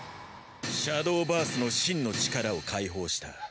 シャドウバースの真の力を解放した。